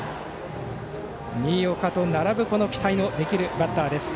新岡と並ぶ期待のできるバッター。